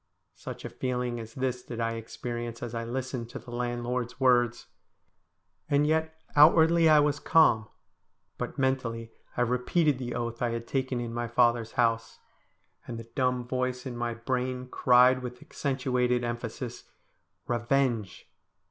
Such a feeling as this did I experience as I listened to the landlord's words. And yet outwardly I was calm, but mentally I repeated the oath Iliad taken in my father's house, and the dumb voice in my brain cried with accentuated em phasis, ' Kevenge